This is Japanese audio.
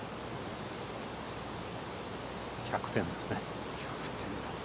１００点ですね。